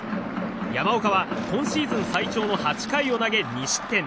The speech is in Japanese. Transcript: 山岡は今シーズン最長の８回を投げ２失点。